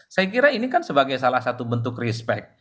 saya kira ini kan sebagai salah satu bentuk respect